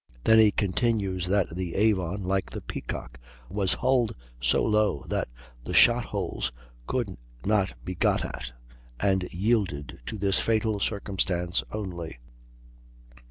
Then he continues that the Avon, like the Peacock, "was hulled so low that the shot holes could not be got at, and yielded to this fatal circumstance only."